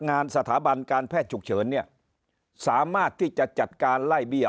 งานสถาบันการแพทย์ฉุกเฉินเนี่ยสามารถที่จะจัดการไล่เบี้ย